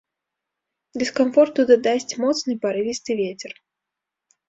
Дыскамфорту дадасць моцны парывісты вецер.